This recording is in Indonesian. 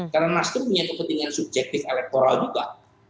karena nasdem punya kepentingan subjektif elektoral juga